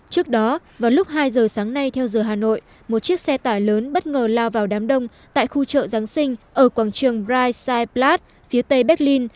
trước đó vào lúc hai giờ sáng nay theo giờ hà nội một chiếc xe tải lớn bất ngờ lao vào đám đông tại khu chợ giáng sinh ở quảng trường braishyplat phía tây berlin